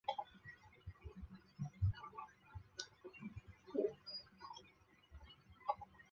现任店主是鳗屋育美。